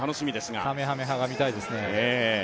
かめはめ波が見たいですね。